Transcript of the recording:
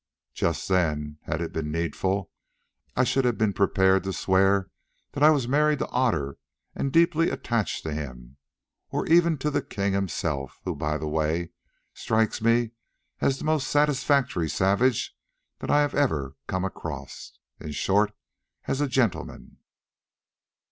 Just then, had it been needful, I should have been prepared to swear that I was married to Otter and deeply attached to him, or even to the king himself, who, by the way, strikes me as the most satisfactory savage that I have ever come across—in short, as a gentleman."